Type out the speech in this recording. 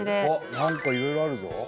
何かいろいろあるぞ。